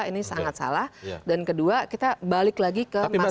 ini sangat salah dan kedua kita balik lagi ke masalah